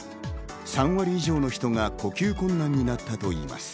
３割以上の人が呼吸困難になったといいます。